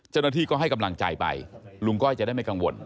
เจ้าหน้าที่ก็ให้กำลังใจไปลุงก้อยจะได้ไม่กังวล